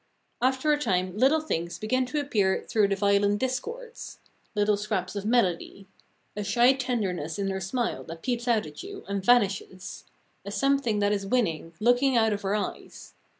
After a time little things begin to appear through the violent discords: little scraps of melody a shy tenderness in her smile that peeps out at you and vanishes, a something that is winning, looking out of her eyes.